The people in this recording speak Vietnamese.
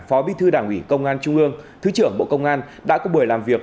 phó bí thư đảng ủy công an trung ương thứ trưởng bộ công an đã có buổi làm việc